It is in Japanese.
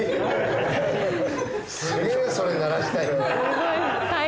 すげえそれ鳴らしたい。